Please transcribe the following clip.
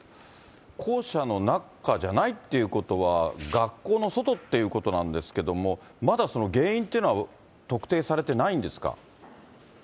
校舎の中じゃないっていうことは、学校の外っていうことなんですけども、まだその原因というのは特定されてないんですか？